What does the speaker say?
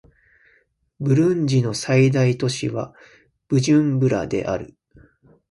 ブルンジの最大都市はブジュンブラである